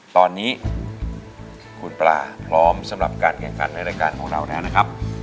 ตอนนี้คุณปลาพร้อมสำหรับการแข่งขันในรายการของเราแล้วนะครับ